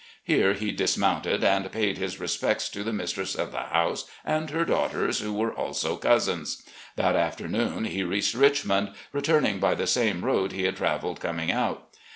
Here he dismounted and paid his respects to the mistress of the house and her daughters, who were also cousins. That afternoon he reached Richmond, returning by the same road he had travelled coming out.